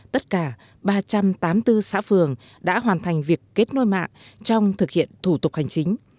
tất cả ba trăm tám mươi bốn xã phường đã hoàn thành việc kết nối mạng trong thực hiện thủ tục hành chính